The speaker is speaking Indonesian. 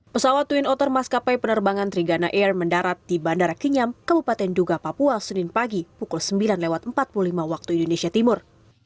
pesawat twin otter maskapai penerbangan trigana air mendarat di bandara kinyam kabupaten duga papua senin pagi pukul sembilan empat puluh lima waktu indonesia timur